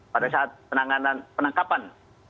pada saat penanganan penangkapan